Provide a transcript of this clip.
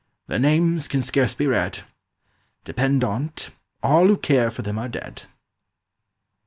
"Their names can scarce be read, Depend on't, all who care for them are dead."